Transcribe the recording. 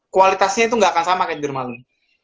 kualitasnya itu gak akan sama kayak tidur malam